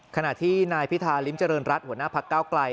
ขณะที่นายพิธาริมเจริญรัฐหัวหน้าพักเก้าไกล